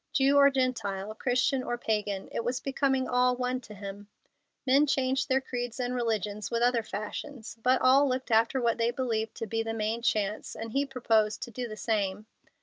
Jew or Gentile, Christian or Pagan, it was becoming all one to him. Men changed their creeds and religions with other fashions, but all looked after what they believed to be the main chance, and he proposed to do the same.